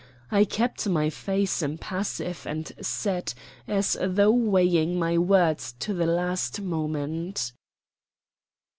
I kept my face impassive and set, as though weighing my words to the last moment.